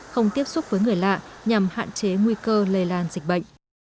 không tiếp xúc với người lạ nhằm hạn chế nguy cơ lây lan dịch bệnh